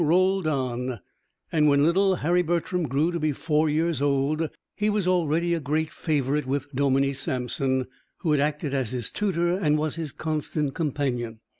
Time rolled on, and when little Harry Bertram grew to be four years old, he was already a great favourite with Dominie Sampson, who had acted as his tutor and was his constant companion.